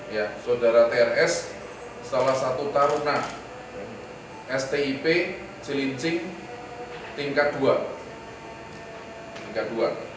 ya sodara trs salah satu taruna stip cilincing tingkat dua